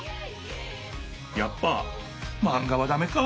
やっぱマンガはダメか。